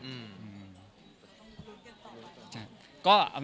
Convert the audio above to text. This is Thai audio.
ข้อมูลเกี่ยวต่อไปครับ